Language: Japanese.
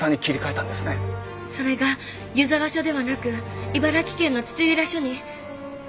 それが湯沢署ではなく茨城県の土浦署に。